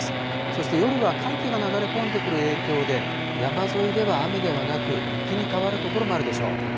そして夜は寒気が流れ込んでくる影響で、山沿いでは雨ではなく、雪に変わる所もあるでしょう。